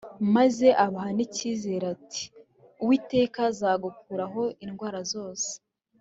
maze abaha nicyizere agira ati Uwiteka azagukuraho indwara zose